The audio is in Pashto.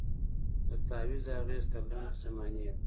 د تعویذ اغېز تر لنډي زمانې وي